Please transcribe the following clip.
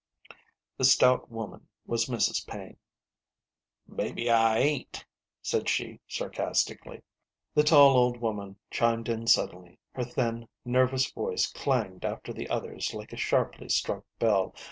The stout woman was Mrs. Paine. " Mebbe I ain't," said she, sarcastically. The tall old woman chimed in suddenly ; her thin, ner vous voice clanged after the others like a sharply struck bell.